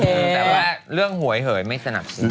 แต่ว่าเรื่องหวยเหยไม่สนับสนุน